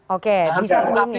oke bisa sebelumnya